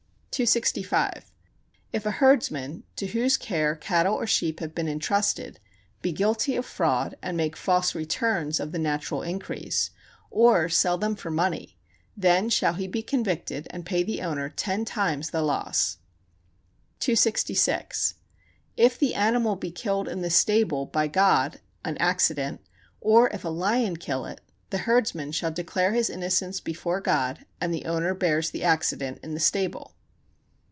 265. If a herdsman, to whose care cattle or sheep have been intrusted, be guilty of fraud and make false returns of the natural increase, or sell them for money, then shall he be convicted and pay the owner ten times the loss. 266. If the animal be killed in the stable by God [an accident], or if a lion kill it, the herdsman shall declare his innocence before God, and the owner bears the accident in the stable.